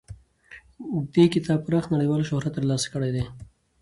دې کتاب پراخ نړیوال شهرت ترلاسه کړی دی.